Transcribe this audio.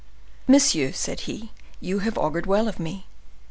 "Monsieur," said he, "you have augured well of me.